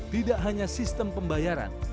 tidak hanya sistem pembayaran